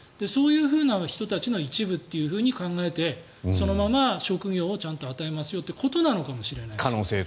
そういう人たちの一部って考えてそのまま職業をちゃんと与えるということなのかもしれない。